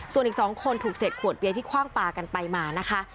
ส่วนอีก๒คนถูกเศษขวดเบียร์ที่คว่างปลากันไปมานะคะ